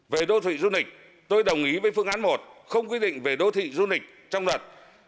về đô thị du lịch tôi đồng ý với phương án một không quy định về đô thị du lịch trong luật